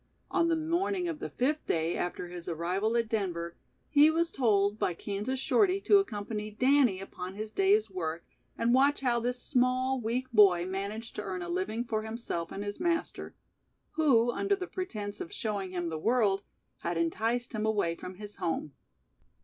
On the morning of the fifth day after his arrival at Denver, he was told by Kansas Shorty to accompany Danny upon his day's work and watch how this small, weak boy managed to earn a living for himself and his master, who under the pretense of "showing him the world", had enticed him away from his home.